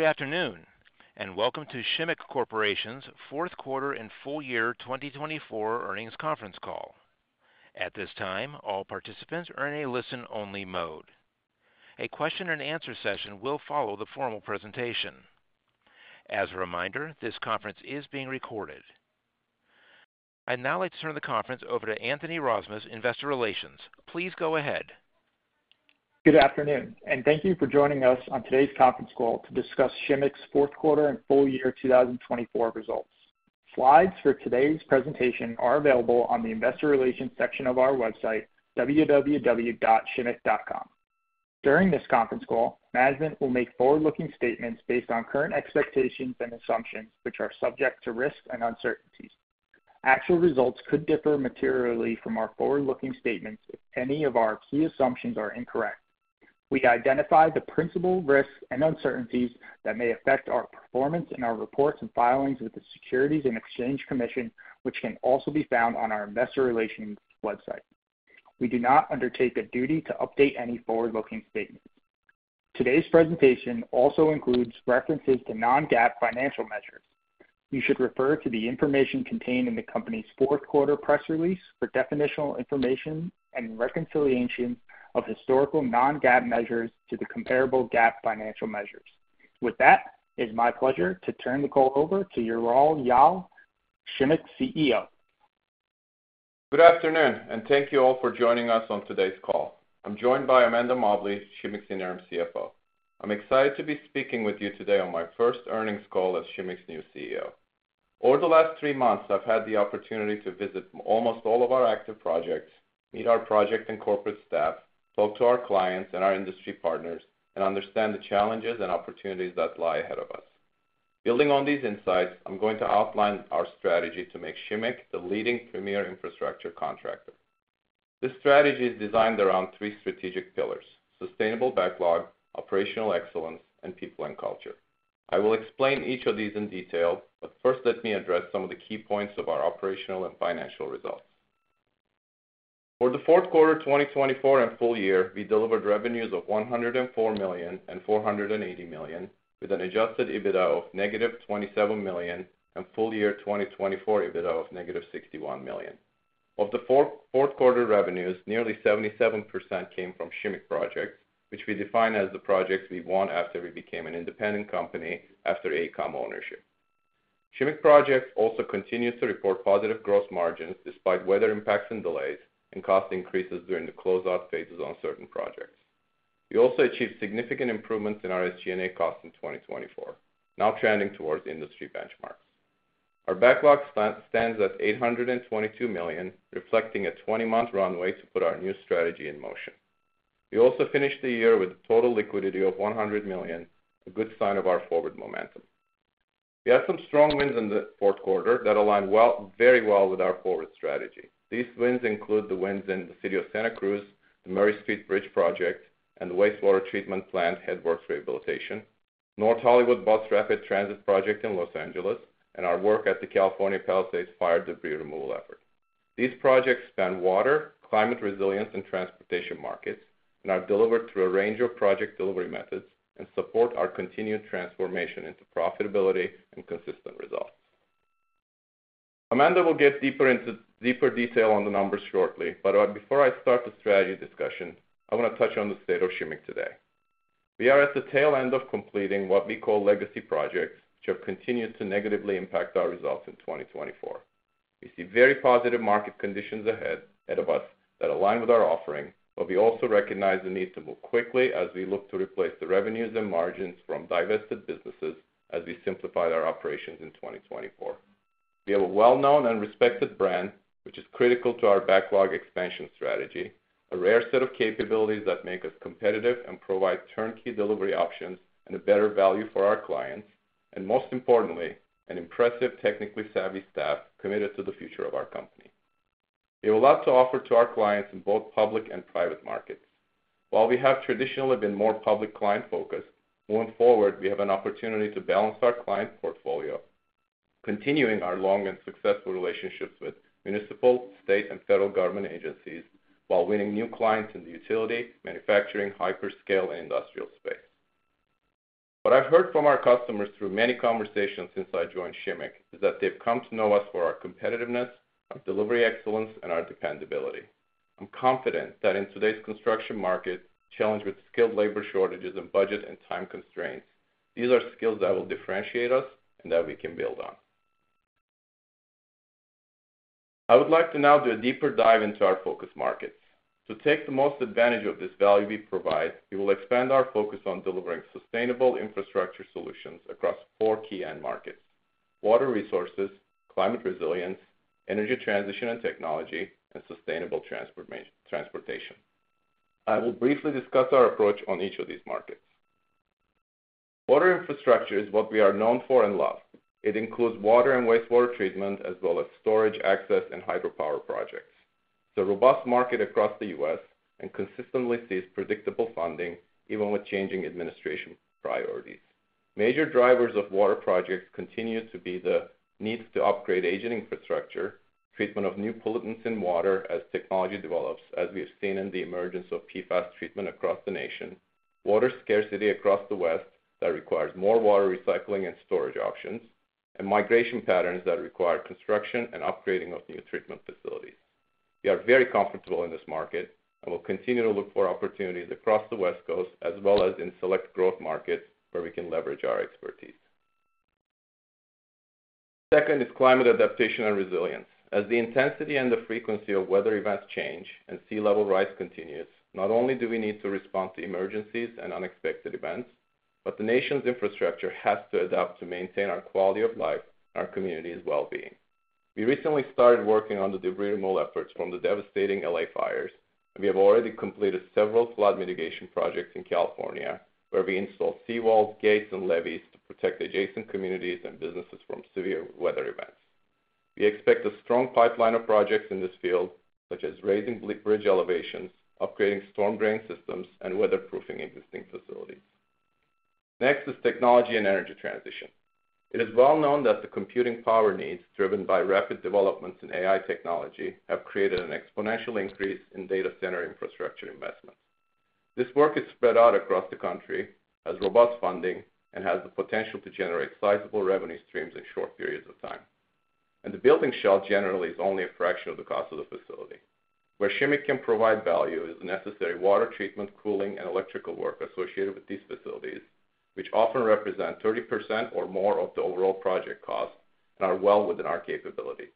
Good afternoon, and welcome to Shimmick Corporation's fourth quarter and full year 2024 earnings conference call. At this time, all participants are in a listen-only mode. A question-and-answer session will follow the formal presentation. As a reminder, this conference is being recorded. I'd now like to turn the conference over to Anthony Rasmus, Investor Relations. Please go ahead. Good afternoon, and thank you for joining us on today's conference call to discuss Shimmick's fourth quarter and full year 2024 results. Slides for today's presentation are available on the Investor Relations section of our website, www.shimmick.com. During this conference call, management will make forward-looking statements based on current expectations and assumptions, which are subject to risks and uncertainties. Actual results could differ materially from our forward-looking statements if any of our key assumptions are incorrect. We identify the principal risks and uncertainties that may affect our performance in our reports and filings with the Securities and Exchange Commission, which can also be found on our Investor Relations website. We do not undertake a duty to update any forward-looking statements. Today's presentation also includes references to non-GAAP financial measures. You should refer to the information contained in the company's fourth quarter press release for definitional information and reconciliation of historical non-GAAP measures to the comparable GAAP financial measures. With that, it is my pleasure to turn the call over to Ural Yal, Shimmick CEO. Good afternoon, and thank you all for joining us on today's call. I'm joined by Amanda Mobley, Shimmick's Interim CFO. I'm excited to be speaking with you today on my first earnings call as Shimmick's new CEO. Over the last three months, I've had the opportunity to visit almost all of our active projects, meet our project and corporate staff, talk to our clients and our industry partners, and understand the challenges and opportunities that lie ahead of us. Building on these insights, I'm going to outline our strategy to make Shimmick the leading premier infrastructure contractor. This strategy is designed around three strategic pillars: sustainable backlog, operational excellence, and people and culture. I will explain each of these in detail, but first, let me address some of the key points of our operational and financial results. For the fourth quarter 2024 and full year, we delivered revenues of $104,000,000 and $480,000,000, with an adjusted EBITDA of -$27,000,000 and full year 2024 EBITDA of -$61,000,000. Of the fourth quarter revenues, nearly 77% came from Shimmick projects, which we define as the projects we won after we became an independent company after AECOM ownership. Shimmick projects also continue to report positive gross margins despite weather impacts and delays and cost increases during the closeout phases on certain projects. We also achieved significant improvements in our SG&A costs in 2024, now trending towards industry benchmarks. Our backlog stands at $822,000,000, reflecting a 20-month runway to put our new strategy in motion. We also finished the year with a total liquidity of $100,000,000, a good sign of our forward momentum. We had some strong wins in the fourth quarter that aligned very well with our forward strategy. These wins include the wins in the City of Santa Cruz, the Murray Street Bridge project, and the Wastewater Pretreatment Plant Headworks Rehabilitation, North Hollywood Bus Rapid Transit project in Los Angeles, and our work at the California Palisades Fire Debris Removal effort. These projects span water, climate resilience, and transportation markets and are delivered through a range of project delivery methods and support our continued transformation into profitability and consistent results. Amanda will get deeper into detail on the numbers shortly, but before I start the strategy discussion, I want to touch on the state of Shimmick today. We are at the tail end of completing what we call legacy projects, which have continued to negatively impact our results in 2024. We see very positive market conditions ahead of us that align with our offering, but we also recognize the need to move quickly as we look to replace the revenues and margins from divested businesses as we simplify our operations in 2024. We have a well-known and respected brand, which is critical to our backlog expansion strategy, a rare set of capabilities that make us competitive and provide turnkey delivery options and a better value for our clients, and most importantly, an impressive technically savvy staff committed to the future of our company. We have a lot to offer to our clients in both public and private markets. While we have traditionally been more public client-focused, moving forward, we have an opportunity to balance our client portfolio, continuing our long and successful relationships with municipal, state, and federal government agencies while winning new clients in the utility, manufacturing, hyperscale, and industrial space. What I've heard from our customers through many conversations since I joined Shimmick is that they've come to know us for our competitiveness, our delivery excellence, and our dependability. I'm confident that in today's construction market, challenged with skilled labor shortages and budget and time constraints, these are skills that will differentiate us and that we can build on. I would like to now do a deeper dive into our focus markets. To take the most advantage of this value we provide, we will expand our focus on delivering sustainable infrastructure solutions across four key end markets: water resources, climate resilience, energy transition and technology, and sustainable transportation. I will briefly discuss our approach on each of these markets. Water infrastructure is what we are known for and love. It includes water and wastewater treatment as well as storage, access, and hydropower projects. It's a robust market across the U.S. and consistently sees predictable funding, even with changing administration priorities. Major drivers of water projects continue to be the need to upgrade aging infrastructure, treatment of new pollutants in water as technology develops, as we have seen in the emergence of PFAS treatment across the nation, water scarcity across the West that requires more water recycling and storage options, and migration patterns that require construction and upgrading of new treatment facilities. We are very comfortable in this market and will continue to look for opportunities across the West Coast as well as in select growth markets where we can leverage our expertise. Second is climate adaptation and resilience. As the intensity and the frequency of weather events change and sea level rise continues, not only do we need to respond to emergencies and unexpected events, but the nation's infrastructure has to adapt to maintain our quality of life and our community's well-being. We recently started working on the debris removal efforts from the devastating L.A. fires, and we have already completed several flood mitigation projects in California where we installed seawalls, gates, and levees to protect adjacent communities and businesses from severe weather events. We expect a strong pipeline of projects in this field, such as raising bridge elevations, upgrading storm drain systems, and weatherproofing existing facilities. Next is technology and energy transition. It is well-known that the computing power needs driven by rapid developments in AI technology have created an exponential increase in data center infrastructure investments. This work is spread out across the country, has robust funding, and has the potential to generate sizable revenue streams in short periods of time. The building shell generally is only a fraction of the cost of the facility. Where Shimmick can provide value is the necessary water treatment, cooling, and electrical work associated with these facilities, which often represent 30% or more of the overall project cost and are well within our capabilities.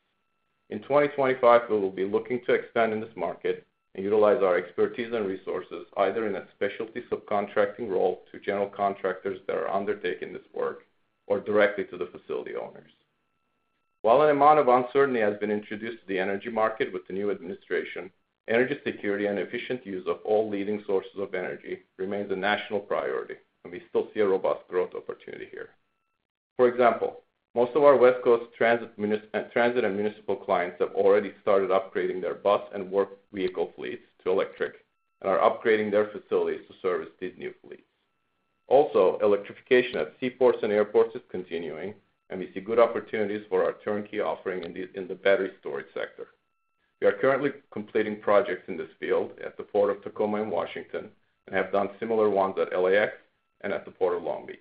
In 2025, we will be looking to expand in this market and utilize our expertise and resources either in a specialty subcontracting role to general contractors that are undertaking this work or directly to the facility owners. While an amount of uncertainty has been introduced to the energy market with the new administration, energy security and efficient use of all leading sources of energy remains a national priority, and we still see a robust growth opportunity here. For example, most of our West Coast transit and municipal clients have already started upgrading their bus and work vehicle fleets to electric and are upgrading their facilities to service these new fleets. Also, electrification at seaports and airports is continuing, and we see good opportunities for our turnkey offering in the battery storage sector. We are currently completing projects in this field at the Port of Tacoma in Washington and have done similar ones at LAX and at the Port of Long Beach.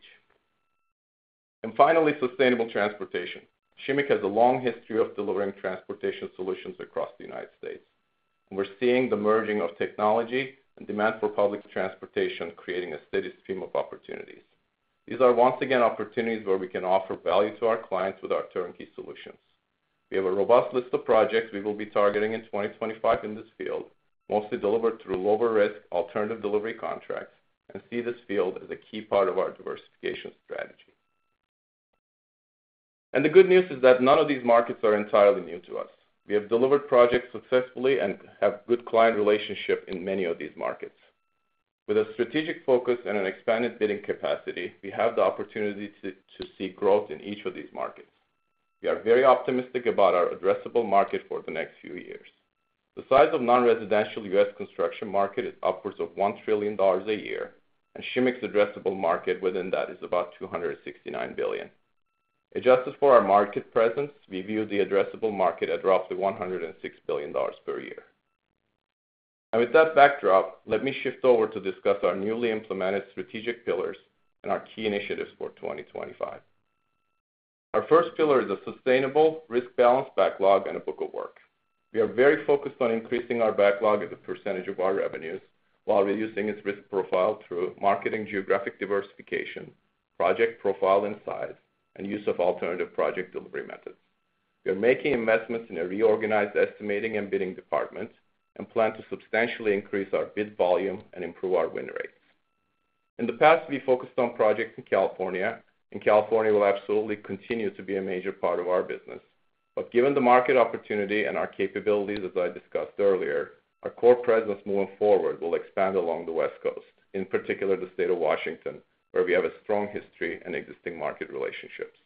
Finally, sustainable transportation. Shimmick has a long history of delivering transportation solutions across the United States. We're seeing the merging of technology and demand for public transportation creating a steady stream of opportunities. These are once again opportunities where we can offer value to our clients with our turnkey solutions. We have a robust list of projects we will be targeting in 2025 in this field, mostly delivered through lower-risk alternative delivery contracts, and see this field as a key part of our diversification strategy. The good news is that none of these markets are entirely new to us. We have delivered projects successfully and have good client relationships in many of these markets. With a strategic focus and an expanded bidding capacity, we have the opportunity to see growth in each of these markets. We are very optimistic about our addressable market for the next few years. The size of non-residential U.S. construction market is upwards of $1 trillion a year, and Shimmick's addressable market within that is about $269 billion. Adjusted for our market presence, we view the addressable market at roughly $106 billion per year. With that backdrop, let me shift over to discuss our newly implemented strategic pillars and our key initiatives for 2025. Our first pillar is a sustainable, risk-balanced backlog and a book of work. We are very focused on increasing our backlog as a percentage of our revenues while reducing its risk profile through marketing, geographic diversification, project profile and size, and use of alternative project delivery methods. We are making investments in a reorganized estimating and bidding department and plan to substantially increase our bid volume and improve our win rates. In the past, we focused on projects in California, and California will absolutely continue to be a major part of our business. Given the market opportunity and our capabilities, as I discussed earlier, our core presence moving forward will expand along the West Coast, in particular the state of Washington, where we have a strong history and existing market relationships.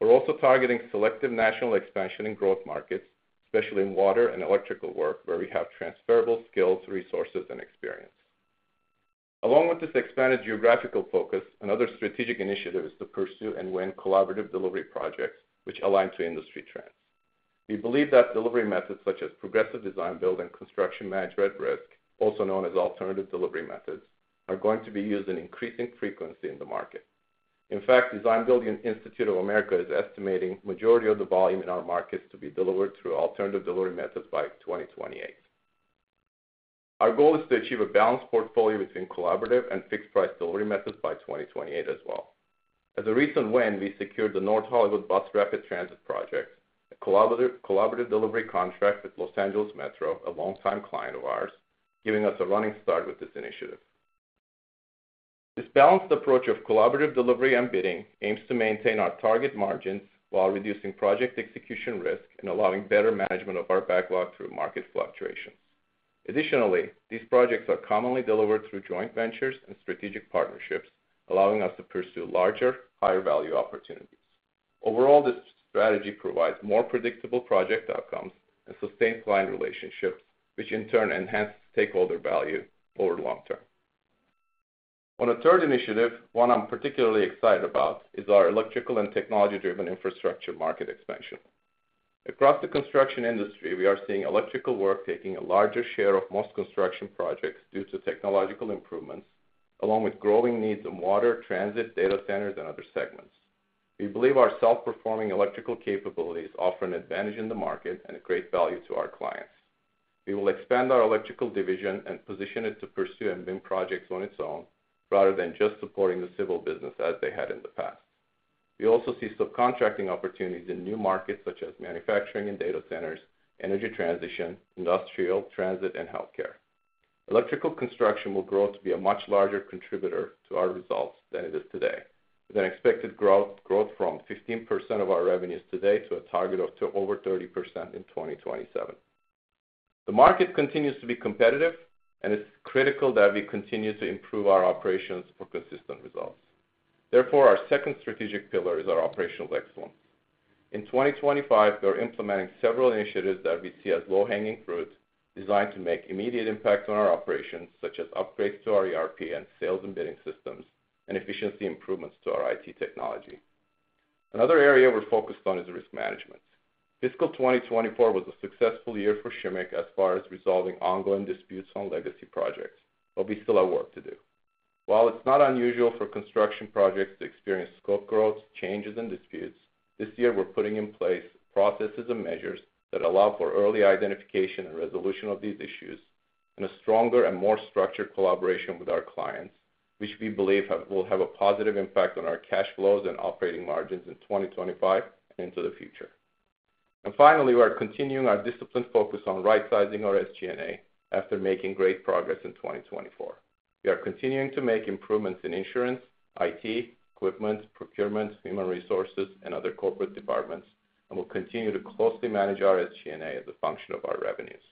We're also targeting selective national expansion in growth markets, especially in water and electrical work, where we have transferable skills, resources, and experience. Along with this expanded geographical focus, another strategic initiative is to pursue and win collaborative delivery projects which align to industry trends. We believe that delivery methods such as progressive design-build and construction manager at risk, also known as alternative delivery methods, are going to be used in increasing frequency in the market. In fact, Design-Build Institute of America is estimating the majority of the volume in our markets to be delivered through alternative delivery methods by 2028. Our goal is to achieve a balanced portfolio between collaborative and fixed-price delivery methods by 2028 as well. As a recent win, we secured the North Hollywood Bus Rapid Transit project, a collaborative delivery contract with Los Angeles Metro, a longtime client of ours, giving us a running start with this initiative. This balanced approach of collaborative delivery and bidding aims to maintain our target margins while reducing project execution risk and allowing better management of our backlog through market fluctuations. Additionally, these projects are commonly delivered through joint ventures and strategic partnerships, allowing us to pursue larger, higher-value opportunities. Overall, this strategy provides more predictable project outcomes and sustained client relationships, which in turn enhance stakeholder value over the long-term. On a third initiative, one I'm particularly excited about is our electrical and technology-driven infrastructure market expansion. Across the construction industry, we are seeing electrical work taking a larger share of most construction projects due to technological improvements, along with growing needs in water, transit, data centers, and other segments. We believe our self-performing electrical capabilities offer an advantage in the market and a great value to our clients. We will expand our electrical division and position it to pursue and win projects on its own rather than just supporting the civil business as they had in the past. We also see subcontracting opportunities in new markets such as manufacturing and data centers, energy transition, industrial, transit, and healthcare. Electrical construction will grow to be a much larger contributor to our results than it is today, with an expected growth from 15% of our revenues today to a target of over 30% in 2027. The market continues to be competitive, and it's critical that we continue to improve our operations for consistent results. Therefore, our second strategic pillar is our operational excellence. In 2025, we're implementing several initiatives that we see as low-hanging fruit designed to make immediate impact on our operations, such as upgrades to our ERP and sales and bidding systems, and efficiency improvements to our IT technology. Another area we're focused on is risk management. Fiscal 2024 was a successful year for Shimmick as far as resolving ongoing disputes on legacy projects, but we still have work to do. While it's not unusual for construction projects to experience scope growth, changes, and disputes, this year we're putting in place processes and measures that allow for early identification and resolution of these issues and a stronger and more structured collaboration with our clients, which we believe will have a positive impact on our cash flows and operating margins in 2025 and into the future. Finally, we're continuing our disciplined focus on right-sizing our SG&A after making great progress in 2024. We are continuing to make improvements in insurance, IT, equipment, procurement, human resources, and other corporate departments, and we'll continue to closely manage our SG&A as a function of our revenues.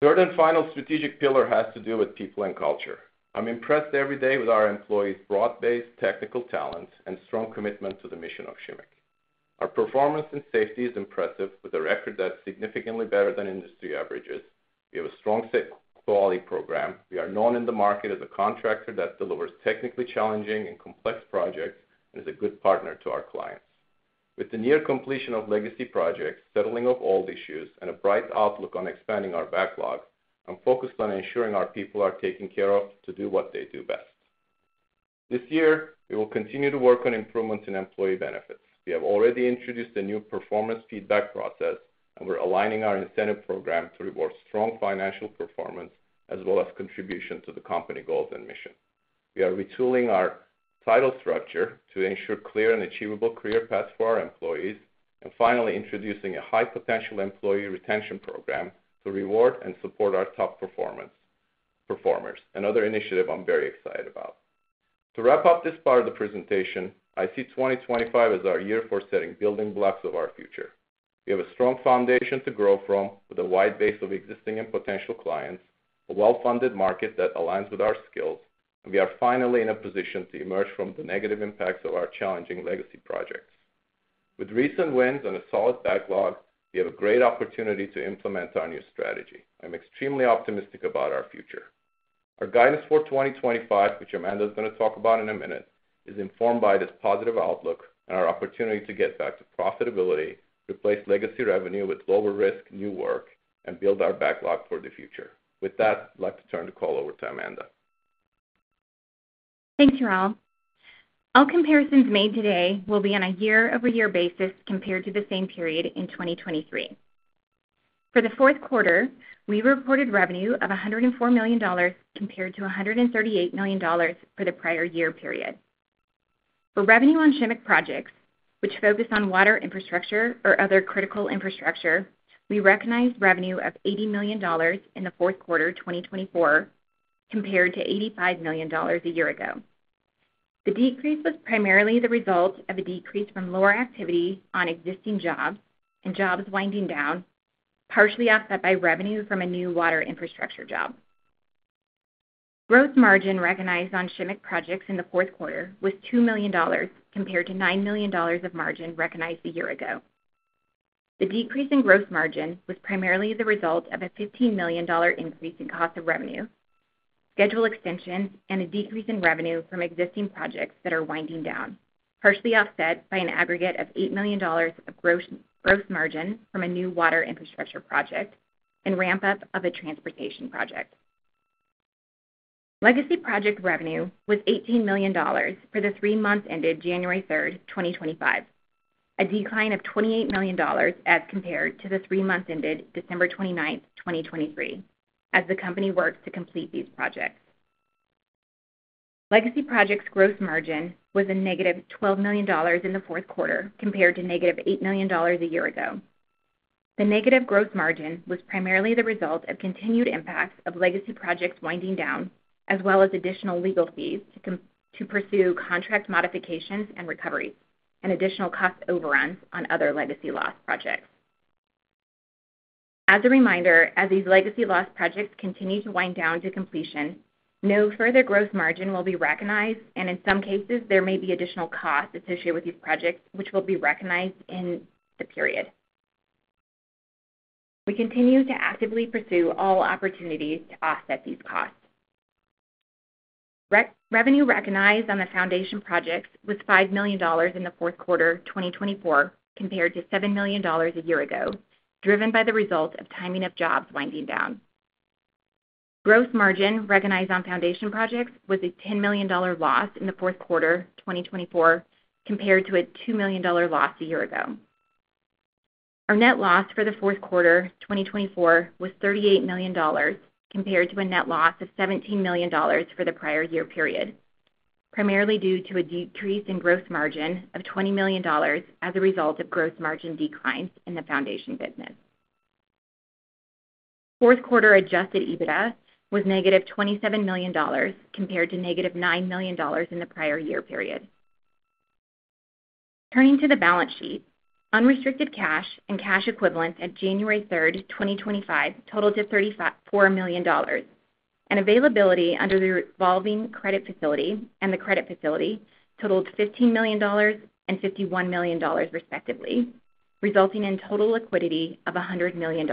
The third and final strategic pillar has to do with people and culture. I'm impressed every day with our employees' broad-based technical talents and strong commitment to the mission of Shimmick. Our performance and safety is impressive, with a record that's significantly better than industry averages. We have a strong quality program. We are known in the market as a contractor that delivers technically challenging and complex projects and is a good partner to our clients. With the near completion of legacy projects, settling of old issues, and a bright outlook on expanding our backlog, I'm focused on ensuring our people are taken care of to do what they do best. This year, we will continue to work on improvements in employee benefits. We have already introduced a new performance feedback process, and we're aligning our incentive program to reward strong financial performance as well as contribution to the company goals and mission. We are retooling our title structure to ensure a clear and achievable career path for our employees, and finally introducing a high-potential employee retention program to reward and support our top performers and other initiatives I'm very excited about. To wrap up this part of the presentation, I see 2025 as our year for setting building blocks of our future. We have a strong foundation to grow from with a wide base of existing and potential clients, a well-funded market that aligns with our skills, and we are finally in a position to emerge from the negative impacts of our challenging legacy projects. With recent wins and a solid backlog, we have a great opportunity to implement our new strategy. I'm extremely optimistic about our future. Our guidance for 2025, which Amanda is going to talk about in a minute, is informed by this positive outlook and our opportunity to get back to profitability, replace legacy revenue with lower-risk new work, and build our backlog for the future. With that, I'd like to turn the call over to Amanda. Thanks, Ural. All comparisons made today will be on a year-over-year basis compared to the same period in 2023. For the fourth quarter, we reported revenue of $104 million compared to $138 million for the prior year period. For revenue on Shimmick projects, which focus on water infrastructure or other critical infrastructure, we recognized revenue of $80 million in the fourth quarter 2024 compared to $85 million a year ago. The decrease was primarily the result of a decrease from lower activity on existing jobs and jobs winding down, partially offset by revenue from a new water infrastructure job. Gross margin recognized on Shimmick projects in the fourth quarter was $2 million compared to $9 million of margin recognized a year ago. The decrease in gross margin was primarily the result of a $15 million increase in cost of revenue, schedule extensions, and a decrease in revenue from existing projects that are winding down, partially offset by an aggregate of $8 million of gross margin from a new water infrastructure project and ramp-up of a transportation project. Legacy project revenue was $18 million for the three months ended January 3, 2025, a decline of $28 million as compared to the three months ended December 29, 2023, as the company worked to complete these projects. Legacy projects' gross margin was a -$12 million in the fourth quarter compared to -$8 million a year ago. The negative gross margin was primarily the result of continued impacts of legacy projects winding down, as well as additional legal fees to pursue contract modifications and recoveries and additional cost overruns on other legacy loss projects. As a reminder, as these legacy loss projects continue to wind down to completion, no further gross margin will be recognized, and in some cases, there may be additional costs associated with these projects, which will be recognized in the period. We continue to actively pursue all opportunities to offset these costs. Revenue recognized on the foundation projects was $5 million in the fourth quarter 2024 compared to $7 million a year ago, driven by the result of timing of jobs winding down. Gross margin recognized on foundation projects was a $10 million loss in the fourth quarter 2024 compared to a $2 million loss a year ago. Our net loss for the fourth quarter 2024 was $38 million compared to a net loss of $17 million for the prior year period, primarily due to a decrease in gross margin of $20 million as a result of gross margin declines in the foundation business. Fourth quarter adjusted EBITDA was -$27 million compared to -$9 million in the prior year period. Turning to the balance sheet, unrestricted cash and cash equivalents at January 3rd, 2025, totaled $34 million, and availability under the revolving credit facility and the credit facility totaled $15 million and $51 million, respectively, resulting in total liquidity of $100 million.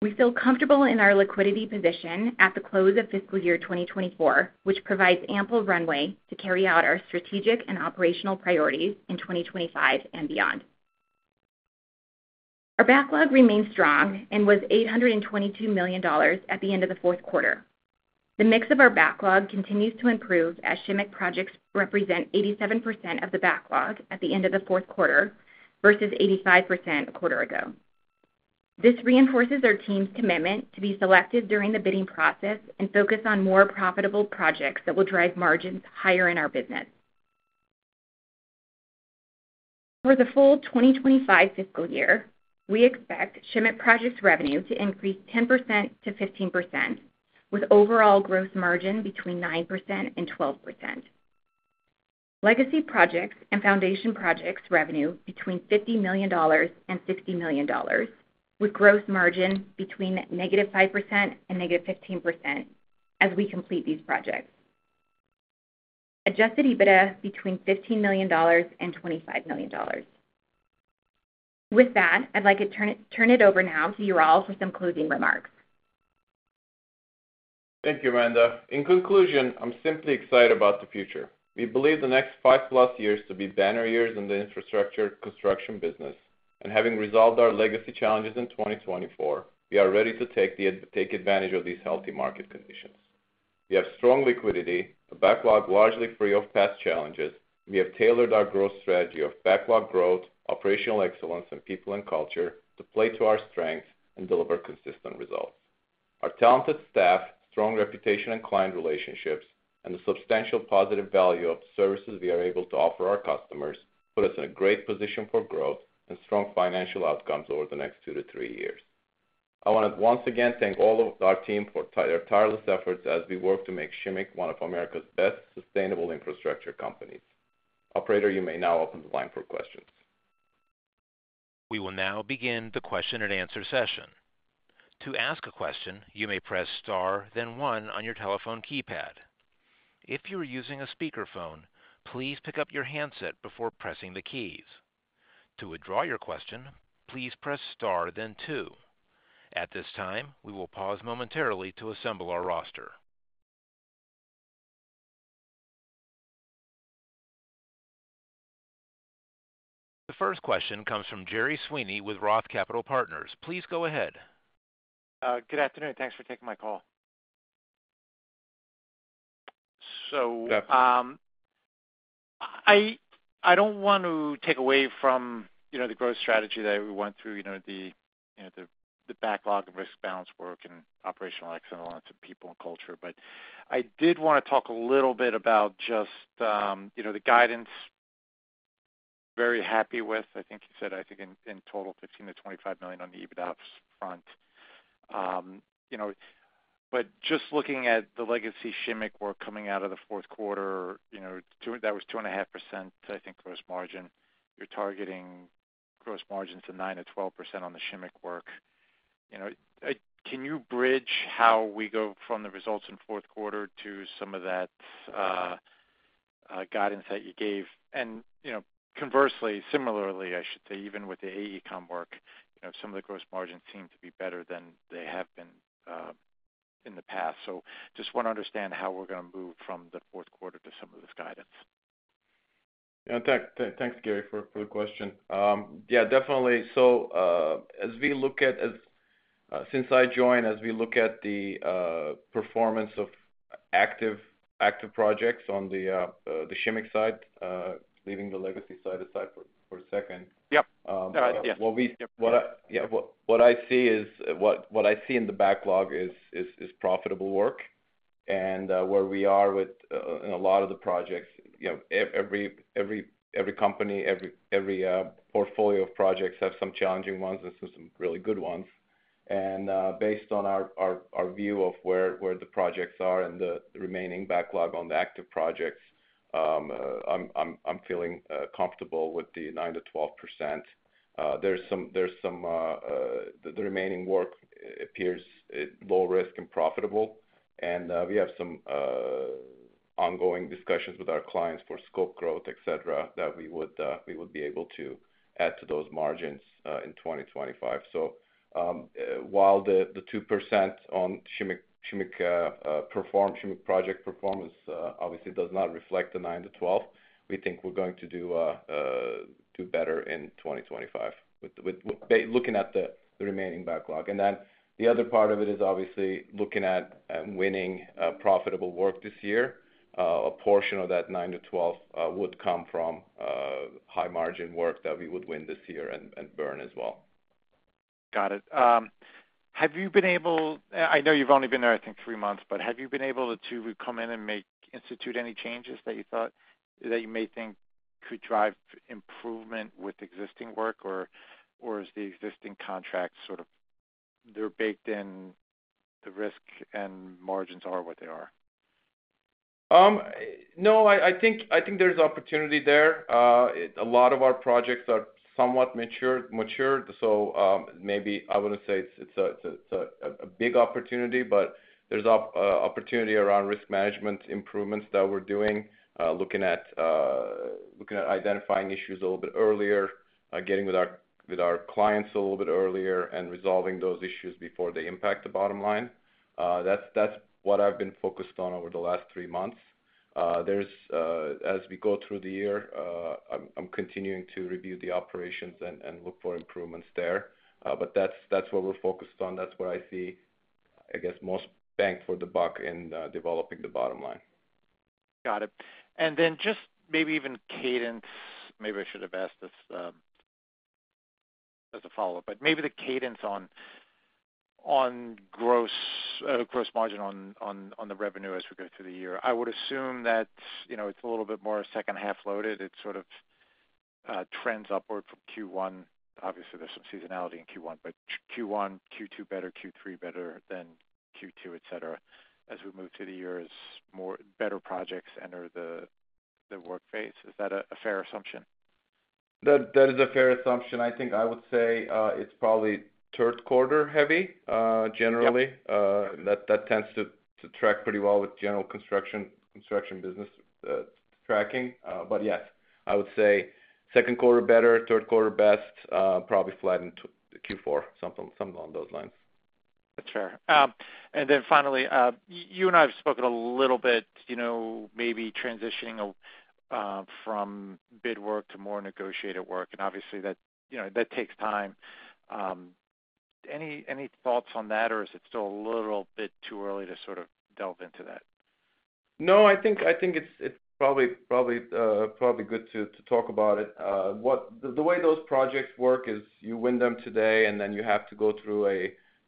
We feel comfortable in our liquidity position at the close of fiscal year 2024, which provides ample runway to carry out our strategic and operational priorities in 2025 and beyond. Our backlog remained strong and was $822 million at the end of the fourth quarter. The mix of our backlog continues to improve as Shimmick projects represent 87% of the backlog at the end of the fourth quarter versus 85% a quarter ago. This reinforces our team's commitment to be selective during the bidding process and focus on more profitable projects that will drive margins higher in our business. For the full 2025 fiscal year, we expect Shimmick projects' revenue to increase 10%-15%, with overall gross margin between 9% and 12%. Legacy projects and foundation projects' revenue between $50 million and $60 million, with gross margin between -5% and -15% as we complete these projects. Adjusted EBITDA between $15 million and $25 million. With that, I'd like to turn it over now to Ural for some closing remarks. Thank you, Amanda. In conclusion, I'm simply excited about the future. We believe the next 5+ years to be banner years in the infrastructure construction business, and having resolved our legacy challenges in 2024, we are ready to take advantage of these healthy market conditions. We have strong liquidity, a backlog largely free of past challenges, and we have tailored our growth strategy of backlog growth, operational excellence, and people and culture to play to our strengths and deliver consistent results. Our talented staff, strong reputation and client relationships, and the substantial positive value of the services we are able to offer our customers put us in a great position for growth and strong financial outcomes over the next two to three years. I want to once again thank all of our team for their tireless efforts as we work to make Shimmick one of America's best sustainable infrastructure companies. Operator, you may now open the line for questions. We will now begin the question-and-answer session. To ask a question, you may press star, then one on your telephone keypad. If you are using a speakerphone, please pick up your handset before pressing the keys. To withdraw your question, please press star, then two. At this time, we will pause momentarily to assemble our roster. The first question comes from Gerry Sweeney with Roth Capital Partners. Please go ahead. Good afternoon. Thanks for taking my call. So. I don't want to take away from the growth strategy that we went through, the backlog and risk balance work and operational excellence and people and culture, but I did want to talk a little bit about just the guidance we're very happy with. I think you said, I think, in total, $15 million-$25 million on the EBITDA front. Just looking at the legacy Shimmick work coming out of the fourth quarter, that was 2.5% gross margin. You're targeting gross margins of 9%-12% on the Shimmick work. Can you bridge how we go from the results in fourth quarter to some of that guidance that you gave? Conversely, similarly, I should say, even with the AECOM work, some of the gross margins seem to be better than they have been in the past. I just want to understand how we're going to move from the fourth quarter to some of this guidance. Yeah. Thanks, Gerry, for the question. Yeah, definitely. As we look at, since I joined, as we look at the performance of active projects on the Shimmick side, leaving the legacy side aside for a second. What I see is, what I see in the backlog is profitable work. Where we are with a lot of the projects, every company, every portfolio of projects has some challenging ones and some really good ones. Based on our view of where the projects are and the remaining backlog on the active projects, I'm feeling comfortable with the 9%-12%. Some of the remaining work appears low-risk and profitable, and we have some ongoing discussions with our clients for scope growth, etc., that we would be able to add to those margins in 2025. While the 2% on Shimmick project performance obviously does not reflect the 9%-12%, we think we're going to do better in 2025, looking at the remaining backlog. The other part of it is obviously looking at winning profitable work this year. A portion of that 9%-12% would come from high-margin work that we would win this year and burn as well. Got it. Have you been able—I know you've only been there, I think, three months, but have you been able to come in and institute any changes that you thought that you may think could drive improvement with existing work, or is the existing contract sort of—they're baked in, the risk and margins are what they are? No, I think there's opportunity there. A lot of our projects are somewhat matured, so maybe I wouldn't say it's a big opportunity, but there's opportunity around risk management improvements that we're doing, looking at identifying issues a little bit earlier, getting with our clients a little bit earlier, and resolving those issues before they impact the bottom line. That's what I've been focused on over the last three months. As we go through the year, I'm continuing to review the operations and look for improvements there, but that's what we're focused on. That's what I see, I guess, most bang for the buck in developing the bottom line. Got it. Maybe even cadence—maybe I should have asked this as a follow-up, but maybe the cadence on gross margin on the revenue as we go through the year. I would assume that it's a little bit more second-half loaded. It sort of trends upward from Q1. Obviously, there's some seasonality in Q1, but Q1, Q2 better, Q3 better than Q2, etc., as we move through the year as better projects enter the work phase. Is that a fair assumption? That is a fair assumption. I think I would say it's probably third quarter heavy, generally. That tends to track pretty well with general construction business tracking. Yes, I would say second quarter better, third quarter best, probably flat in Q4, something along those lines. That's fair. Finally, you and I have spoken a little bit, maybe transitioning from bid work to more negotiated work, and obviously, that takes time. Any thoughts on that, or is it still a little bit too early to sort of delve into that? No, I think it's probably good to talk about it. The way those projects work is you win them today, and then you have to go through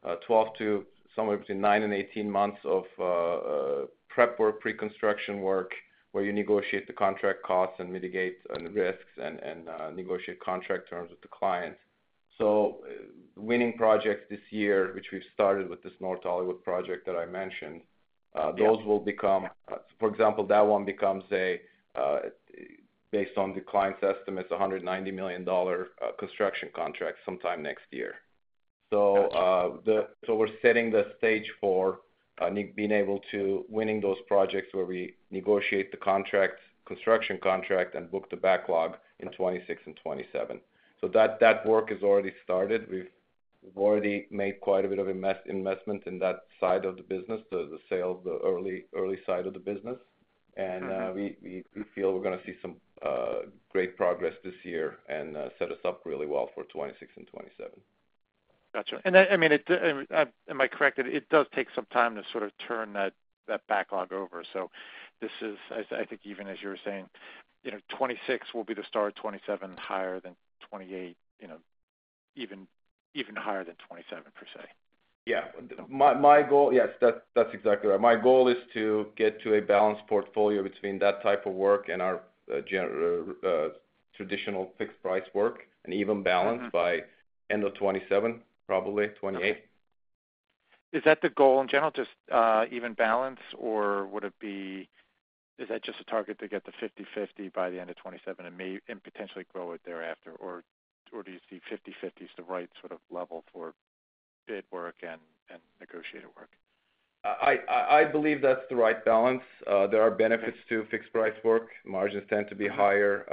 a 12 to somewhere between nine and 18 months of prep work, pre-construction work, where you negotiate the contract costs and mitigate risks and negotiate contract terms with the client. Winning projects this year, which we've started with this North Hollywood project that I mentioned, those will become—for example, that one becomes, based on the client's estimates, a $190 million construction contract sometime next year. We're setting the stage for being able to win those projects where we negotiate the construction contract and book the backlog in 2026 and 2027. That work has already started. We've already made quite a bit of investment in that side of the business, the sales, the early side of the business. We feel we're going to see some great progress this year and set us up really well for 2026 and 2027. Gotcha. I mean, am I correct that it does take some time to sort of turn that backlog over? This is, I think, even as you were saying, 2026 will be the start, 2027 higher than 2028, even higher than 2027 per se. Yeah. My goal—yes, that's exactly right. My goal is to get to a balanced portfolio between that type of work and our traditional fixed-price work and even balance by end of 2027, probably 2028. Is that the goal in general, just even balance, or would it be—is that just a target to get to 50/50 by the end of 2027 and potentially grow it thereafter, or do you see 50/50 is the right sort of level for bid work and negotiated work? I believe that's the right balance. There are benefits to fixed-price work. Margins tend to be higher.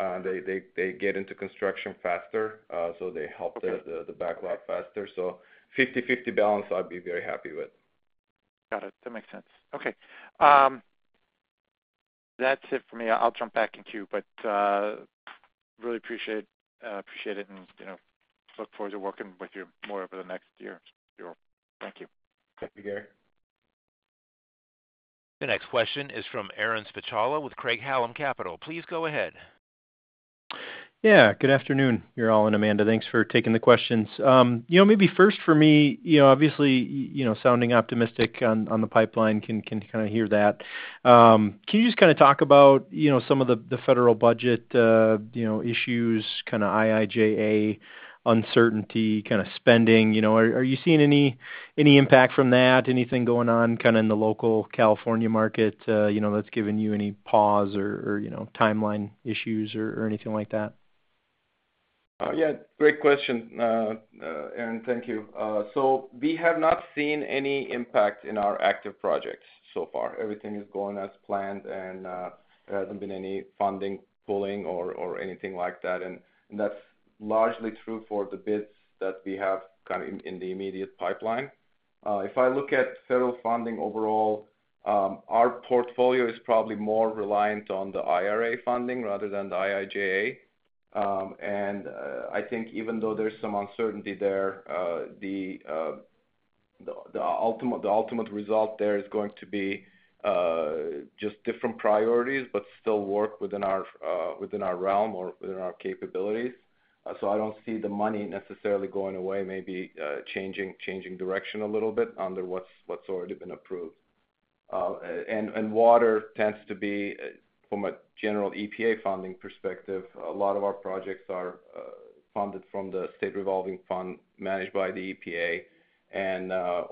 They get into construction faster, so they help the backlog faster. So 50/50 balance, I'd be very happy with. Got it. That makes sense. Okay. That's it for me. I'll jump back in queue, but really appreciate it and look forward to working with you more over the next year. Thank you. Thank you, Gerry. The next question is from Aaron Spychalla with Craig-Hallum Capital. Please go ahead. Yeah. Good afternoon, Ural and Amanda. Thanks for taking the questions. Maybe first for me, obviously, sounding optimistic on the pipeline, can kind of hear that. Can you just kind of talk about some of the federal budget issues, kind of IIJA uncertainty, kind of spending? Are you seeing any impact from that? Anything going on kind of in the local California market that's given you any pause or timeline issues or anything like that? Yeah. Great question, Aaron. Thank you. We have not seen any impact in our active projects so far. Everything is going as planned, and there hasn't been any funding pulling or anything like that. That is largely true for the bids that we have kind of in the immediate pipeline. If I look at federal funding overall, our portfolio is probably more reliant on the IRA funding rather than the IIJA. I think even though there's some uncertainty there, the ultimate result there is going to be just different priorities, but still work within our realm or within our capabilities. I don't see the money necessarily going away, maybe changing direction a little bit under what's already been approved. Water tends to be, from a general EPA funding perspective, a lot of our projects are funded from the State Revolving Fund managed by the EPA.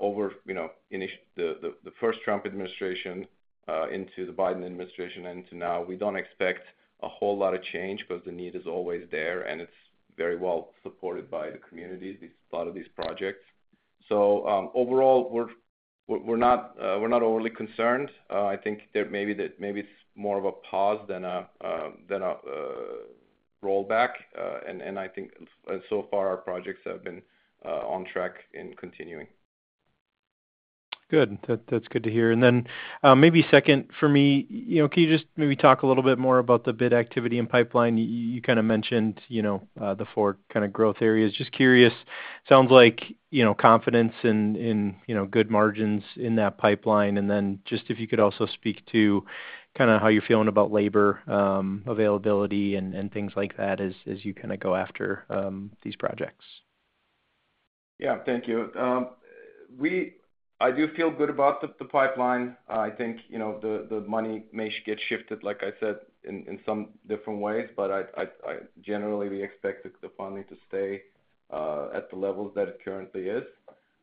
Over the first Trump administration into the Biden administration and into now, we don't expect a whole lot of change because the need is always there, and it's very well supported by the communities, a lot of these projects. Overall, we're not overly concerned. I think maybe it's more of a pause than a rollback. I think so far, our projects have been on track in continuing. Good. That's good to hear. Maybe second for me, can you just maybe talk a little bit more about the bid activity and pipeline? You kind of mentioned the four kind of growth areas. Just curious. Sounds like confidence in good margins in that pipeline. If you could also speak to kind of how you're feeling about labor availability and things like that as you kind of go after these projects. Yeah. Thank you. I do feel good about the pipeline. I think the money may get shifted, like I said, in some different ways, but generally, we expect the funding to stay at the levels that it currently is.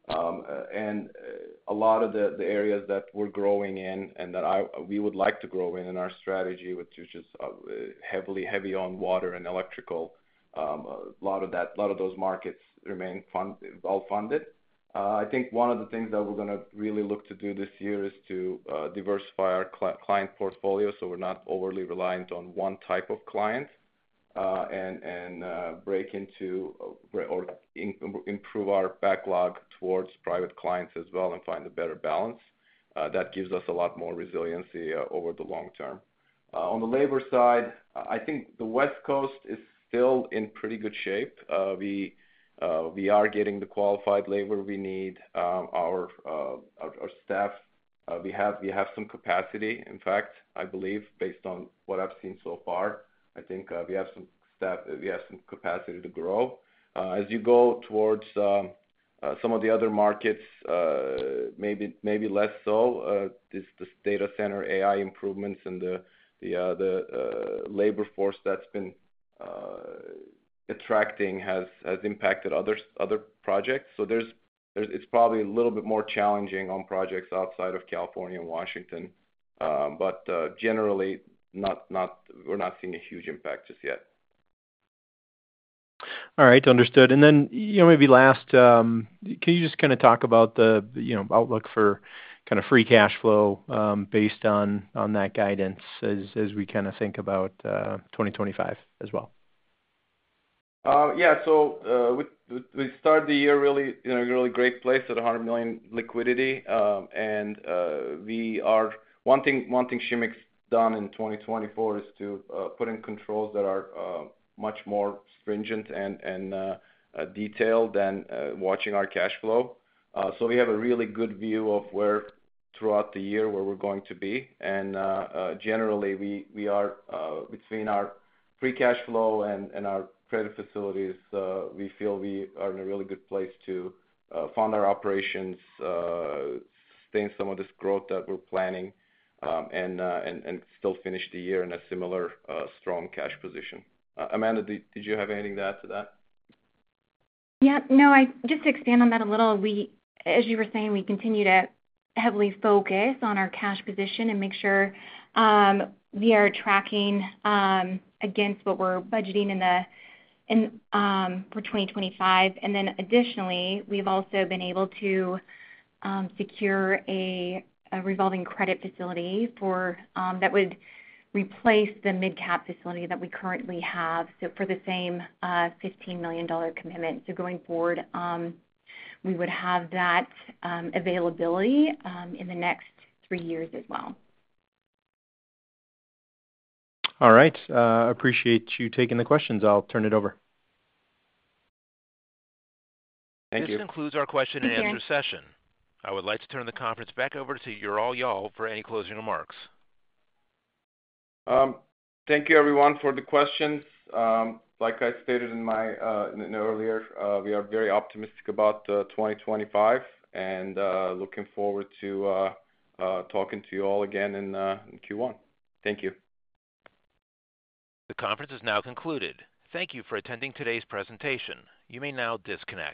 A lot of the areas that we're growing in and that we would like to grow in in our strategy, which is just heavily heavy on water and electrical, a lot of those markets remain well-funded. I think one of the things that we're going to really look to do this year is to diversify our client portfolio so we're not overly reliant on one type of client and break into or improve our backlog towards private clients as well and find a better balance. That gives us a lot more resiliency over the long-term. On the labor side, I think the West Coast is still in pretty good shape. We are getting the qualified labor we need. Our staff, we have some capacity, in fact, I believe, based on what I've seen so far. I think we have some capacity to grow. As you go towards some of the other markets, maybe less so, the data center AI improvements and the labor force that's been attracting has impacted other projects. It's probably a little bit more challenging on projects outside of California and Washington, but generally, we're not seeing a huge impact just yet. All right. Understood. Maybe last, can you just kind of talk about the outlook for kind of free cash flow based on that guidance as we kind of think about 2025 as well? Yeah. We start the year really in a really great place at $100 million liquidity. One thing Shimmick's done in 2024 is to put in controls that are much more stringent and detailed than watching our cash flow. We have a really good view of where throughout the year where we're going to be. Generally, between our free cash flow and our credit facilities, we feel we are in a really good place to fund our operations, sustain some of this growth that we're planning, and still finish the year in a similar strong cash position. Amanda, did you have anything to add to that? Yeah. No, just to expand on that a little. As you were saying, we continue to heavily focus on our cash position and make sure we are tracking against what we're budgeting for 2025. Additionally, we've also been able to secure a revolving credit facility that would replace the MidCap facility that we currently have for the same $15 million commitment. Going forward, we would have that availability in the next three years as well. All right. Appreciate you taking the questions. I'll turn it over. Thank you. This concludes our question-and-answer session. I would like to turn the conference back over to Ural Yal for any closing remarks. Thank you, everyone, for the questions. Like I stated earlier, we are very optimistic about 2025 and looking forward to talking to you all again in Q1. Thank you. The conference is now concluded. Thank you for attending today's presentation. You may now disconnect.